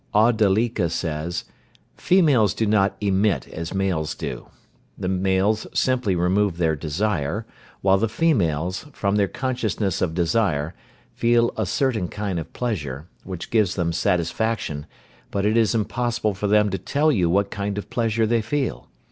Auddalika says, "Females do not emit as males do. The males simply remove their desire, while the females, from their consciousness of desire, feel a certain kind of pleasure, which gives them satisfaction, but it is impossible for them to tell you what kind of pleasure they feel.